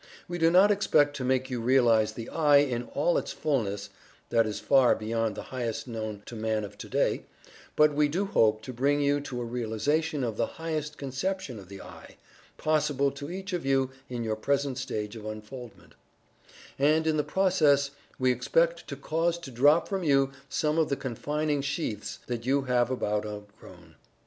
We do not expect to make you realize the "I" in all its fullness that is far beyond the highest known to man of to day but we do hope to bring you to a realization of the highest conception of the "I," possible to each of you in your present stage of unfoldment, and in the process we expect to cause to drop from you some of the confining sheaths that you have about outgrown.